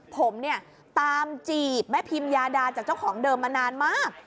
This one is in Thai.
ผมเนี่ยตามจีบแม่พิมยาดาจากเจ้าของเดิมมานานมาก